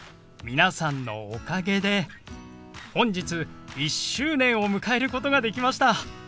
皆さんのおかげで本日１周年を迎えることができました！